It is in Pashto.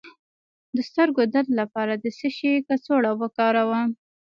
د سترګو درد لپاره د څه شي کڅوړه وکاروم؟